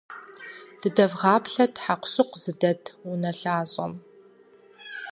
Дыдэвгъаплъэт хьэкъущыкъу зыдэт унэлъащӏэм.